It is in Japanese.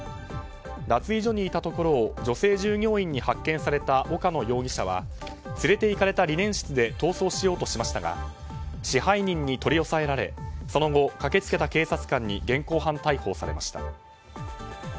脱衣所にいたところを女性従業員に発見された岡野容疑者は連れて行かれたリネン室で逃走しようとしましたが支配人に取り押さえられその後、駆けつけた警察官に現行犯逮捕されました。